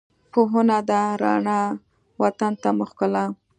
پوهنه ده رڼا، وطن ته مو ښکلا